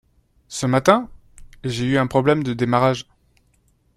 Ce matin, j’ai eu un problème de démarrage.